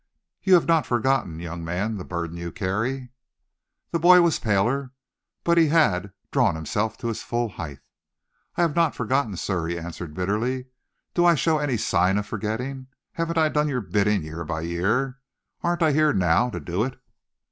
You have not forgotten, young man, the burden you carry?" The boy was paler, but he had drawn himself to his full height. "I have not forgotten, sir," he answered bitterly. "Do I show any signs of forgetting? Haven't I done your bidding year by year? Aren't I here now to do it?"